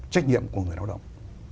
trách nhiệm của người lao động